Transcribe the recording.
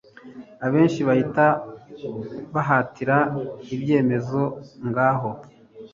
benshi bahita bahatira, ibyemezo, ngaho